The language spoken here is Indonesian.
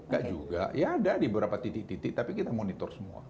gak juga ya ada di beberapa titik titik tapi kita monitor semua